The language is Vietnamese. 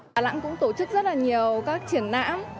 tà lẵng cũng tổ chức rất là nhiều các triển lãm